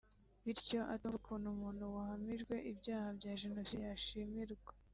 bityo atumva ukuntu umuntu wahamijwe ibyaha bya Jenoside yashimirwa